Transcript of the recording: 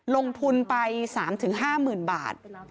ลงทุนไป๓๕หมื่นบาท